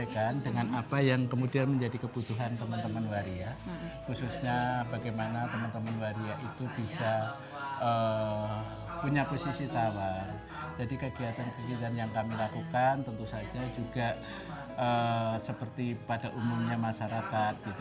kegiatan kegiatan yang kami lakukan tentu saja juga seperti pada umumnya masyarakat